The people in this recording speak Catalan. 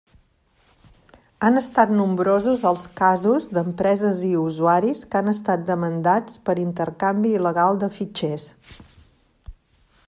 Han estat nombrosos els casos d'empreses i usuaris que han estat demandats per intercanvi il·legal de fitxers.